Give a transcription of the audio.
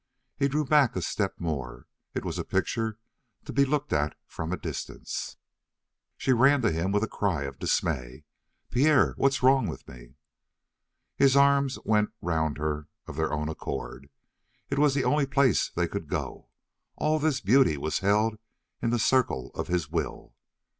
He drew back a step more. It was a picture to be looked at from a distance. She ran to him with a cry of dismay: "Pierre, what's wrong with me?" His arms went round her of their own accord. It was the only place they could go. And all this beauty was held in the circle of his will.